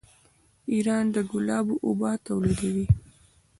ایران د ګلابو اوبه تولیدوي.